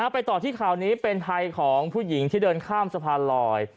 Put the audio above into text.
ไปต่อที่ข่าวนี้เป็นภัยของผู้หญิงที่เดินข้ามสะพานลอย